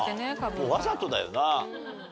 もうわざとだよな？